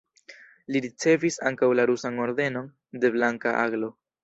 Li ricevis ankaŭ la rusan Ordenon de Blanka Aglo.